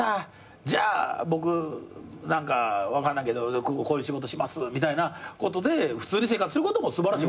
じゃあ僕何か分かんないけどこういう仕事しますみたいなことで普通に生活することも素晴らしいことや。